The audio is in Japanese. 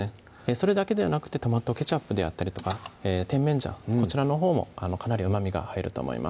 それだけではなくてトマトケチャップであったりとか甜麺醤こちらのほうもかなりうまみが入ると思います